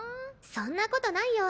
そんなことないよ。